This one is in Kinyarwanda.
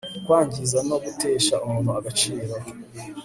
kwangiza no gutesha umuntu agaciro